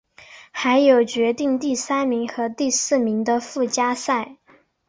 还有决定第三名和第四名的附加赛。